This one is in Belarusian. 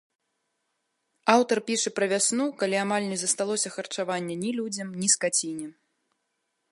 Аўтар піша пра вясну, калі амаль не засталося харчавання ні людзям, ні скаціне.